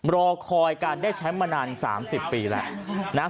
รอคอยการได้แชมป์มานานสามสิบปีแล้วนะฮะ